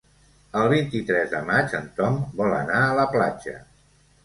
El vint-i-tres de maig en Tom vol anar a la platja.